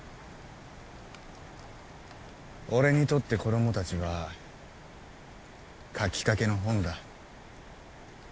俺にとって子供達は書きかけの本だ